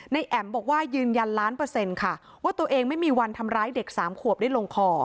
แอ๋มบอกว่ายืนยันล้านเปอร์เซ็นต์ค่ะว่าตัวเองไม่มีวันทำร้ายเด็กสามขวบได้ลงคอ